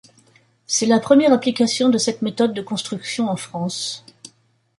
C'est la première application de cette méthode de construction en France.